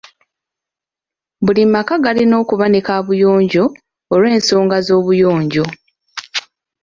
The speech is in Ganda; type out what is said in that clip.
Buli maka galina okuba ne kaabuyonjo olw'ensonga z'obuyonjo.